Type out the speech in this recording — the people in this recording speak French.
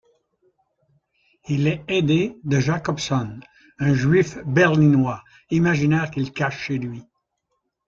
Il est aidé de Jacobson, un Juif berlinois imaginaire qu'il cache chez lui.